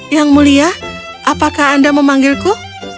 yang mulia apakah anda memanggilku